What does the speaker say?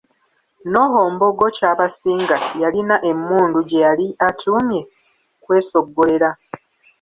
Noho Mbogo Kyabasinga yalina emmundu gye yali atuumye kwesoggolera.